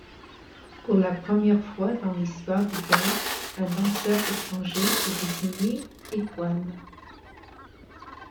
Pour la première fois dans l'histoire du théâtre, un danseur étranger est désigné étoile.